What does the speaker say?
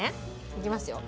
いきますよ。